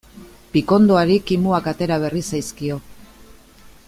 Pikondoari kimuak atera berri zaizkio.